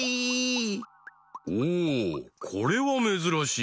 おおこれはめずらしい。